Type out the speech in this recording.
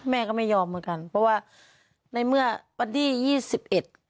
แม่ก็ไม่ยอมเหมือนกันเพราะว่าในเมื่อวันที่ยี่สิบเอ็ด